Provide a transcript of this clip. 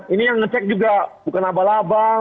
ini yang ngecek juga bukan abal abal